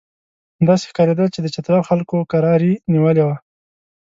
داسې ښکارېدله چې د چترال خلکو کراري نیولې وه.